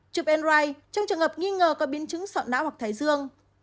chụp mri trong trường hợp nghi ngờ có biến chứng sọ nã hoặc thái dương